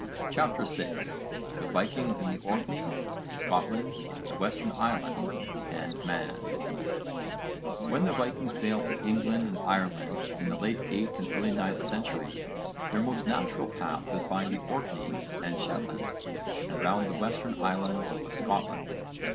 CHAPTER VI THE VIKINGS IN THE ORKNEYS, SCOTLAND, THE WESTERN ISLANDS AND MAN When the Vikings sailed to England and Ireland in the late 8th and early 9th centuries their most natural path was by the Orkneys and Shetlands and round the Western Islands of Scotland.